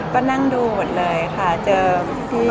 ก็นั่งดูหมดเลยค่ะเจอพี่